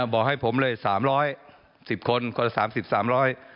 บอกให้ผมเลย๓๐๐สิบคนคนสามสิบสามร้อย